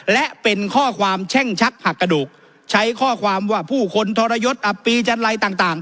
และเป็นข้อความแช่งชักหักกระดูกใช้ข้อความว่าผู้คนทรยศอับปีจันไรต่าง